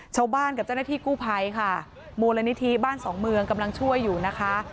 ชาวบ้านกับเจ้าหน้าที่กู้ภัยค่ะมูลนิธิบ้านสองเมืองกำลังช่วยอยู่นะคะ